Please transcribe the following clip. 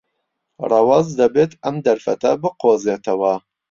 ڕەوەز دەبێت ئەم دەرفەتە بقۆزێتەوە.